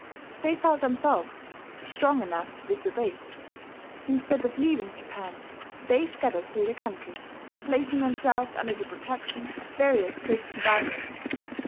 They felt themselves strong enough to disobey: instead of leaving Japan, they scattered through the country, placing themselves under the protection of various Christian daimyo.